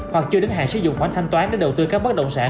hoặc chưa đến hàng sử dụng khoản thanh toán để đầu tư các bất động sản